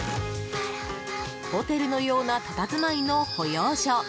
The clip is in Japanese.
ホテルのようなたたずまいの保養所。